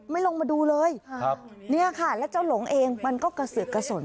ลงมาดูเลยครับเนี่ยค่ะแล้วเจ้าหลงเองมันก็กระสือกกระสน